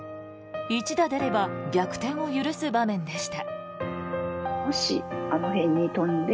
一打出れば逆転を許す場面でした。